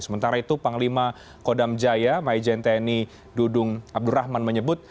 sementara itu panglima kodam jaya maijen tni dudung abdurrahman menyebut